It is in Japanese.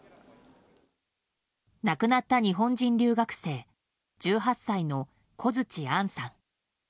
亡くなった日本人留学生１８歳の小槌杏さん。